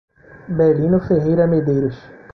Belino Ferreira Medeiros